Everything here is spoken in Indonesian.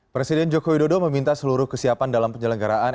presiden joko widodo meminta seluruh kesiapan dalam penyelenggaraan